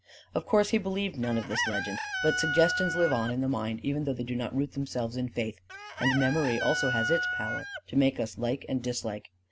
Of course he believed none of this legend; but suggestions live on in the mind even though they do not root themselves in faith; and memory also has its power to make us like and dislike.